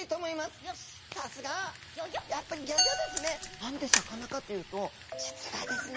何で魚かというと実はですね